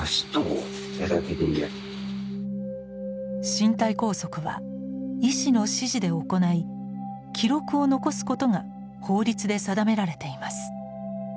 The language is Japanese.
身体拘束は医師の指示で行い記録を残すことが法律で定められています。